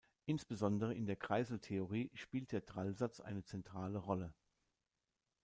Insbesondere in der Kreiseltheorie spielt der Drallsatz eine zentrale Rolle.